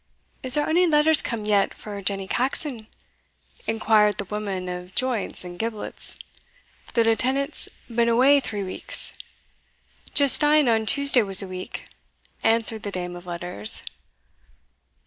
"Is there ony letters come yet for Jenny Caxon?" inquired the woman of joints and giblets; "the lieutenant's been awa three weeks." "Just ane on Tuesday was a week," answered the dame of letters.